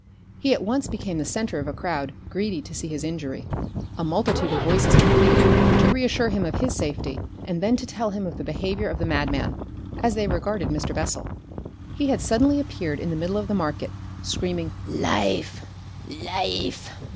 He at once became the centre of a crowd greedy to see his injury. A multitude of voices competed to reassure him of his safety, and then to tell him of the behaviour of the madman, as they regarded Mr. Bessel. He had suddenly appeared in the middle of the market screaming "LIFE! LIFE!"